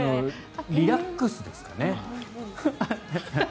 リラックスですかね。